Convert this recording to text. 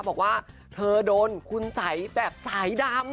บอกว่าเธอโดนคุณสัยแบบสายดำ